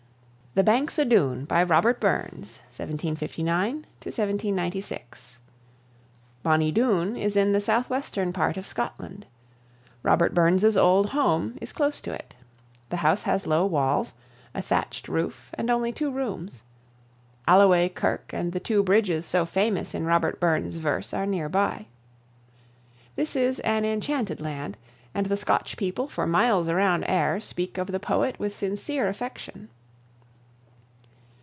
"The Banks o' Doon," by Robert Burns (1759 96). Bonnie Doon is in the southwestern part of Scotland. Robert Burns's old home it close to it. The house has low walls, a thatched roof, and only two rooms. Alloway Kirk and the two bridges so famous in Robert Burns's verse are near by. This is an enchanted land, and the Scotch people for miles around Ayr speak of the poet with sincere affection.